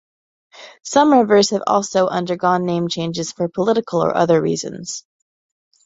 Some rivers have also undergone name changes for political or other reasons.